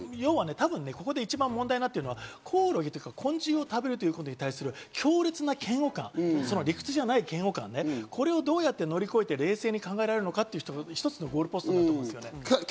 一番問題になっているのは、コオロギというか、昆虫を食べるということに対する強烈な嫌悪感、理屈じゃない嫌悪感ね、これをどうやって手乗り越えて、冷静に考えられるのか、一つのゴールポストだと思う。